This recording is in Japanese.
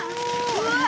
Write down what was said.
うわ。